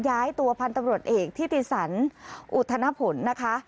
ย้ายตัวพันตบรวจเอกที่ทีศรอุทธนผลนะคะ